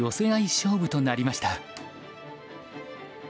勝負となりました。